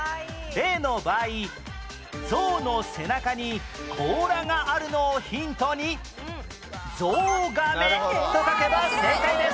例の場合ゾウの背中に甲羅があるのをヒントに「ゾウガメ」と書けば正解です